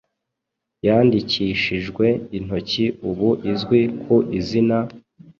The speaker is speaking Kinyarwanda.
yandikishijwe intoki ubu izwi ku izina